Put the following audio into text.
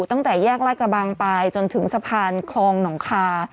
ตั้งแต่แยกลาดกระบังไปจนถึงสะพานคลองหนองคา